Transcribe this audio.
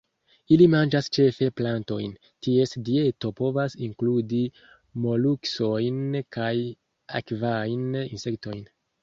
Ili manĝas ĉefe plantojn; ties dieto povas inkludi moluskojn kaj akvajn insektojn.